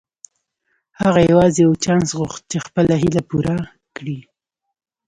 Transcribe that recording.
هغه يوازې يو چانس غوښت چې خپله هيله پوره کړي.